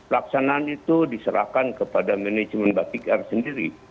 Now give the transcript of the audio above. laksanaan itu diserahkan kepada manajemen batik air sendiri